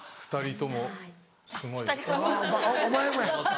２人ともすごい。